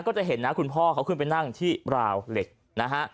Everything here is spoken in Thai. จะเห็นนะคุณพ่อเขาขึ้นไปนั่งที่ราวเหล็กนะฮะ